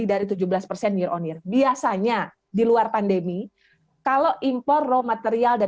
impor barang modal naik dari tujuh belas persen year on year biasanya di luar pandemi kalau impor raw materials naik dari sebelas persen year on year